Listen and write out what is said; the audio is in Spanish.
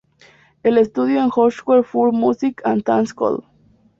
El estudio en el Hochschule für Musik und Tanz Köln.